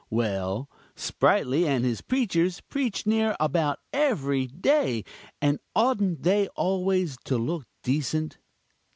Well, Sprightly and his preachers preach near about every day; and oughtn't they always to look decent?